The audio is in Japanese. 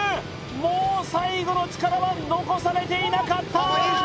もう最後の力は残されていなかったー！